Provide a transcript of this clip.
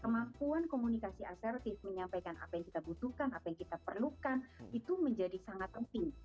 kemampuan komunikasi asertif menyampaikan apa yang kita butuhkan apa yang kita perlukan itu menjadi sangat penting